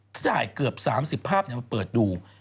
จ่ายเกือบ๓๐ภาพมาเปิดดู